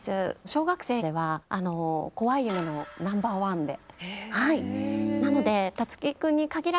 小学生ではこわい夢のナンバーワンで。